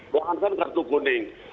bahkan kan kartu kuning